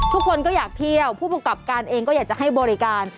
ทุกคนก็อยากเที่ยวผู้ประกอบการเองก็อยากจะให้บริการ